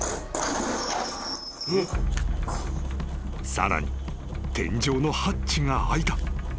［さらに天井のハッチが開いた］